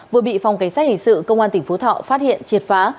vừa bị phòng cảnh sát hình sự công an tỉnh phú thọ phát hiện triệt phá